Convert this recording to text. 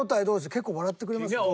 結構笑ってくれますか？